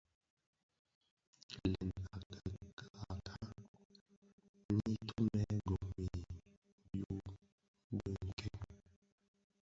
Lèn a kirara nyi tumè gom i dhyu di nken.